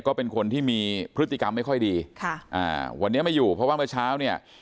ก็เป็นคนที่มีพฤติกรรมไม่ค่อยดีค่ะอ่าวันนี้ไม่อยู่เพราะว่าเมื่อเช้าเนี่ย